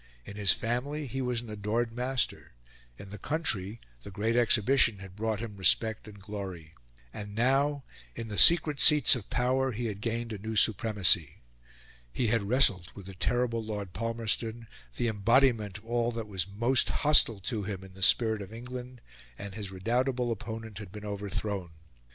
In his family, he was an adored master; in the country, the Great Exhibition had brought him respect and glory; and now in the secret seats of power he had gained a new supremacy. He had wrestled with the terrible Lord Palmerston, the embodiment of all that was most hostile to him in the spirit of England, and his redoubtable opponent had been overthrown.